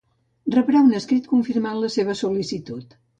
Rebrà un escrit confirmant la seva sol·licitud.